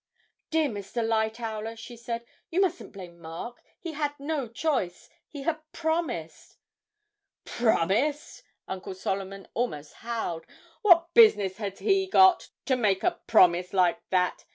'Dear Mr. Lightowler,' she said, 'you mustn't blame Mark; he had no choice, he had promised.' 'Promised!' Uncle Solomon almost howled; 'what business had he got to make a promise like that?